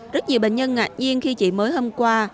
rất nhiều bệnh nhân ngạc nhiên khi chỉ mới hôm qua